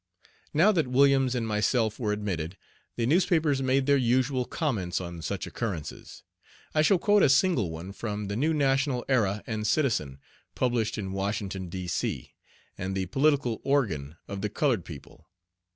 Now that Williams and myself were admitted, the newspapers made their usual comments on such occurrences. I shall quote a single one from The New National Era and Citizen, published in Washington, D.C., and the political organ of the colored people.